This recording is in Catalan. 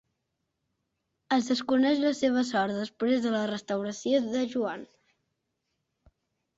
Es desconeix la seva sort després de la restauració de Joan.